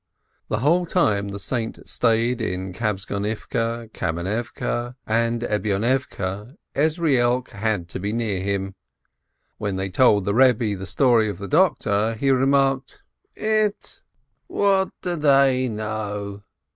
The whole time the saint stayed in Kabtzonivke, Kam enivke, and Ebionivke, Ezrielk had to be near him. When they told the Eebbe the story of the doctor, he remarked, "Ett! what do they know?"